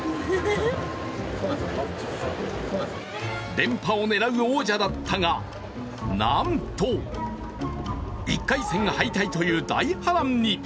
連覇を狙う王者だったがなんと１回戦敗退という大波乱に。